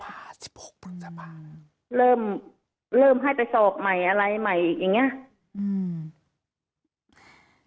ปรุงจภาพสิบหกปรุงจภาพเริ่มเริ่มให้ไปสอบใหม่อะไรใหม่อย่างเงี้ยอืม